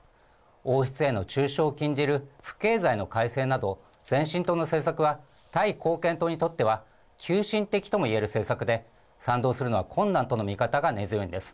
王室への中傷を禁じる不敬罪の改正など、前進党の政策はタイ貢献党にとっては急進的ともいえる政策で、賛同するのは困難との見方が根強いんです。